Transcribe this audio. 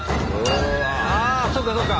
あそうかそうか。